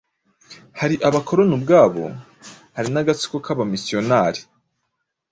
hari abakoloni ubwabo, hari n'agatsiko k'Abamisiyonari,